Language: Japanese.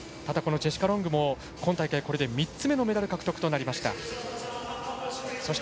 ジェシカ・ロングも今大会、これで３つ目のメダル獲得となりました。